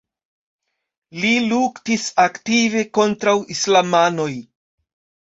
Li luktis aktive kontraŭ islamanoj.